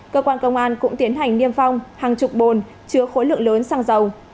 cơ quan công an cũng tiến hành niêm phong hàng chục bồn chứa khối lượng lớn xăng dầu